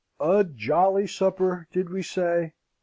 A jolly supper, did we say?